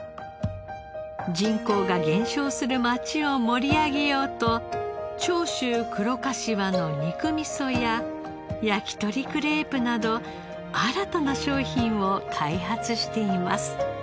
人口が減少する町を盛り上げようと長州黒かしわの肉味噌や焼き鳥クレープなど新たな商品を開発しています。